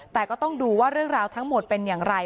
แต่ก็ต้องดูว่าเรื่องราวทั้งหมดเป็นอย่างไร